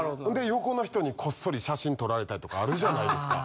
横の人にこっそり写真撮られたりとかあるじゃないですか。